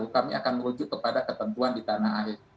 kami akan menuju ke ketentuan di tanah air